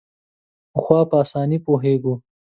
پخوا په اسانۍ پوهېږو.